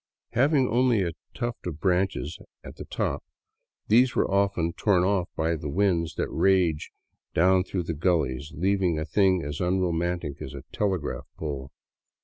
Having only a tuft of branches at tli^ top, these were often torn off by the winds that rage down through the gullies, leaving a thing as unromantic as a telegraph pole.